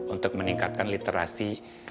untuk meningkatkan literasi